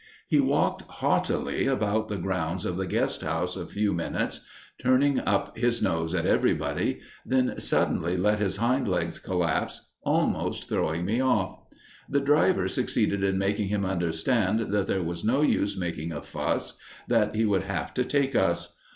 He walked haughtily about the grounds of the guest house a few minutes, turning up his nose at everybody, then suddenly let his hind legs collapse, almost throwing me off. The driver succeeded in making him understand that there was no use making a fuss, that he would have to take us.